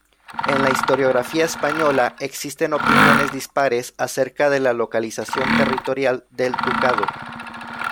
En la historiografía española existen opiniones dispares acerca de la localización territorial del Ducado.